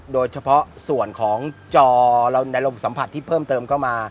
โดยเฉพาะส่วนของจอเราในลมสัมผัสที่เพิ่มเติมเข้ามา